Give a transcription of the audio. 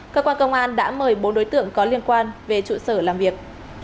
cơ quan công an đã mời bốn đối tượng có liên quan về trụ sở làm việc